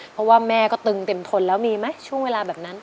เพราะว่าแม่ก็ตึงเต็มทนแล้วมีไหมช่วงเวลาแบบนั้น